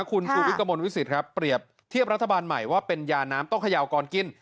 คุณชูวิทย์กระมวลวิสิตครับเปรียบเทียบรัฐบาลใหม่ว่าเป็นยาน้ำต้องเขย่าก่อนกิน